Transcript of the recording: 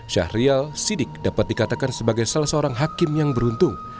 syahrial sidik dapat dikatakan sebagai salah seorang hakim yang beruntung